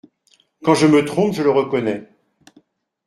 Quand je me trompe, je le reconnais.